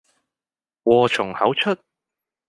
禍從口出